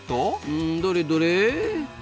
うんどれどれ？